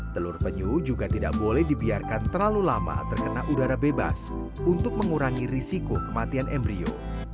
telur penyu juga tidak boleh dibiarkan terlalu lama terkena udara bebas untuk mengurangi risiko kematian embryo